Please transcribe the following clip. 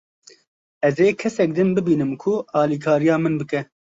Ez ê kesek din bibînim ku alîkariya min bike.